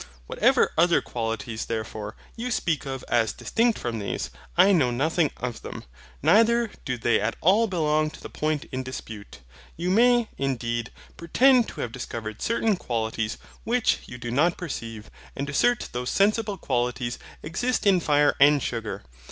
Whatever other qualities, therefore, you speak of as distinct from these, I know nothing of them, neither do they at all belong to the point in dispute. You may, indeed, pretend to have discovered certain qualities which you do not perceive, and assert those insensible qualities exist in fire and sugar.